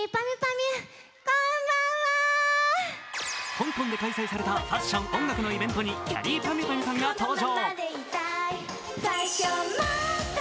香港で開催されたファッション・音楽のイベントにきゃりーぱみゅぱみゅさんが登場。